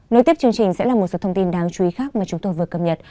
nối tiếp chương trình sẽ là một số thông tin đáng chú ý khác mà chúng tôi vừa cập nhật